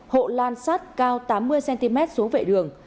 hộ lan sắt cao tám mươi cm xuống vệ đường